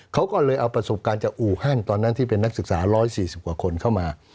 เขาก็เลยเอาประสบการณ์จากอู่ฮั่นตอนนั้นที่เป็นนักศึกษา๑๔๐กว่าคนเข้ามา